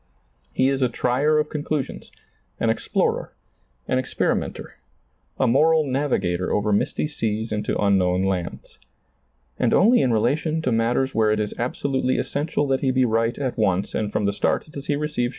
He is a trier of conclu sions, an explorer, an experimenter, a moral navigator over misty seas into unknown lands. And only in' relation to matters where it is abso lutely essential that he be right at once and from the start does he receive